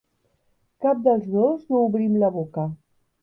Cap dels dos no obrim la boca.